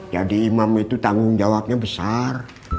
jadi imam itu tanggung jawabnya besar